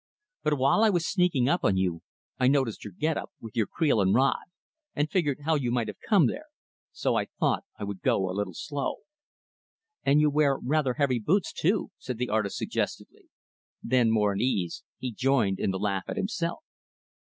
But while I was sneaking up on you I noticed your get up with your creel and rod and figured how you might have come there. So I thought I would go a little slow." "And you wear rather heavy boots too," said the artist suggestively. Then, more at ease, he joined in the laugh at himself.